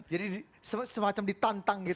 jadi semacam ditantang gitu ya